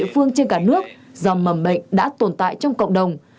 địa phương trên cả nước do mầm bệnh đã tồn tại trong cộng đồng